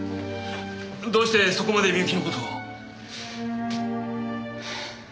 どうしてそこまで美雪の事を？